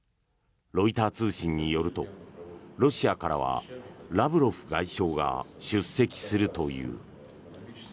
ロイター通信によるとロシアからはラブロフ外相が出席するという。